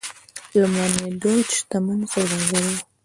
لومړنی دوج شتمن سوداګر و.